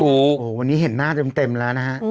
โอ้โหวันนี้เห็นหน้าเต็มแล้วนะฮะ